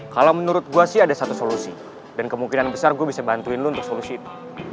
kalau menurut gue sih ada satu solusi dan kemungkinan besar gue bisa bantuin lu untuk solusi itu